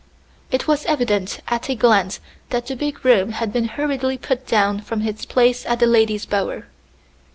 It was evident at a glance that the big room had been hurriedly put down from its place as the lady's bower.